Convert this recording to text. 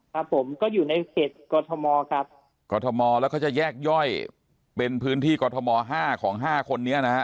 ครับผมก็อยู่ในเขตกรทมครับกรทมแล้วก็จะแยกย่อยเป็นพื้นที่กรทมห้าของห้าคนนี้นะฮะ